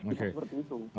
bisa seperti itu